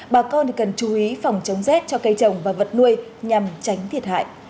bà con cần chú ý phòng chống rét cho cây trồng và vật nuôi nhằm tránh thiệt hại